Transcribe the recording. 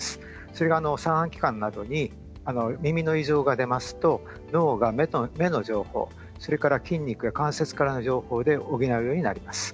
それが三半規管などに耳の異常が出ますと脳が目や筋肉や関節からの情報で補おうとするようになります。